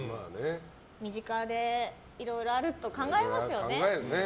身近でいろいろあると考えますよね。